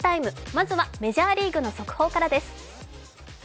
まずはメジャーリーグの速報からです。